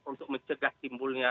untuk mencegah simbolnya